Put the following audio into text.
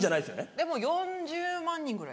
でも４０万人ぐらい。